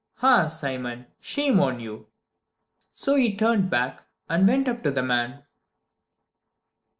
Ah, Simon, shame on you!" So he turned back and went up to the man.